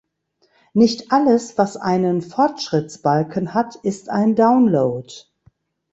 Nicht alles, was einen Fortschrittsbalken hat, ist ein Download.